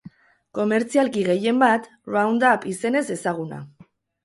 Komertzialki gehien bat Roundup izenez ezaguna.